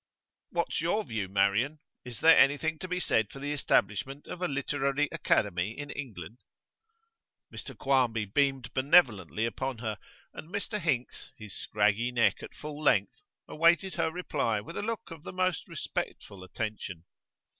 'What's your view, Marian? Is there anything to be said for the establishment of a literary academy in England?' Mr Quarmby beamed benevolently upon her, and Mr Hinks, his scraggy neck at full length, awaited her reply with a look of the most respectful attention.